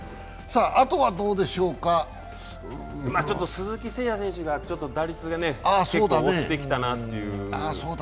鈴木誠也選手がちょっと打率が結構、落ちてきたなっていう。